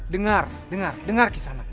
dengar dengar dengar kisanak